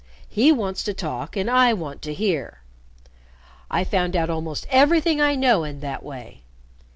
He wants to talk and I want to hear. I found out almost everything I know in that way.